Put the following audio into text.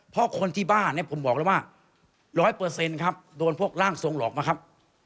เพราะคนที่บ้านเนี่ยผมบอกแล้วว่า๑๐๐ครับโดนพวกร่างทรงหลอกมาครับ